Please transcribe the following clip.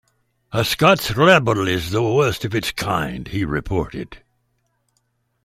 "A Scots rabble is the worst of its kind", he reported.